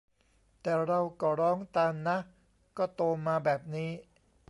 แต่เราก็ร้องตามนะ ก็โตมาแบบนี้